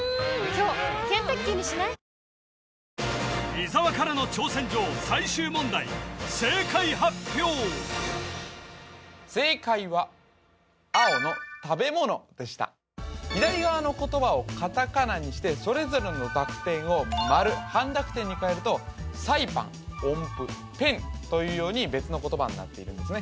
伊沢からの挑戦状最終問題正解発表正解は青の食べ物でした左側の言葉をカタカナにしてそれぞれの濁点を丸半濁点に変えるとサイパンオンプペンというように別の言葉になっているんですね